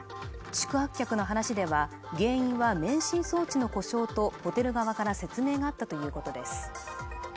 宿泊客の話では原因は免震装置の故障とホテル側から説明があったということです